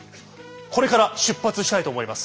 これから出発したいと思います。